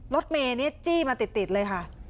รถเมเลยจี้มาติดเลยค่ะ